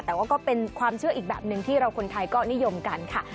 แต่ว่าก็เป็นความเชื่ออีกแบบหนึ่งที่เราคนไทยก็นิยมกันค่ะ